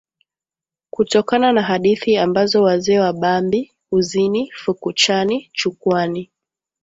Kutokana na hadithi ambazo wazee wa Bambi, Uzini, Fukuchani, Chukwani.